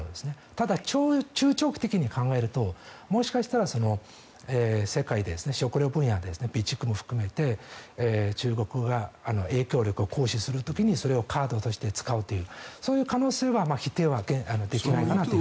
ただ中長期的に考えるともしかしたら世界で食料分野で備蓄も含めて中国が影響力を行使する時にそれをカードとして使うというそういう可能性は否定はできないかなと。